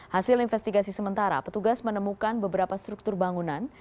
hasil investigasi sementara petugas menemukan beberapa struktur bangunan